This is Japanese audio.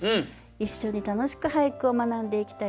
一緒に楽しく俳句を学んでいきたいと思っております。